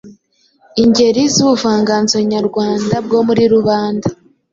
Ingeri z’ubuvanganzo nyarwanda bwo muri rubanda